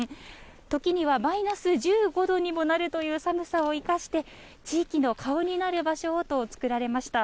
時にはマイナス１５度にもなるという寒さを生かして、地域の顔になる場所をと作られました。